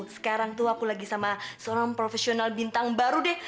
sekarang tuh aku lagi sama seorang profesional bintang baru deh